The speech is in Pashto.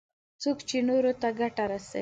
څوک چې نورو ته ګټه رسوي.